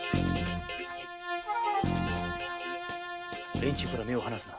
連中から目を離すな。